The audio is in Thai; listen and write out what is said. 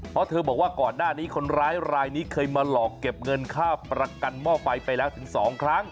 เพราะเธอบอกว่าก่อนหน้านี้คนร้ายรายนี้เคยมาหลอกเก็บเงินค่าประกันหม้อไฟไปแล้วถึง๒ครั้ง